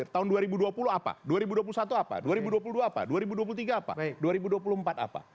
tahun dua ribu dua puluh apa dua ribu dua puluh satu apa dua ribu dua puluh dua apa dua ribu dua puluh tiga apa dua ribu dua puluh empat apa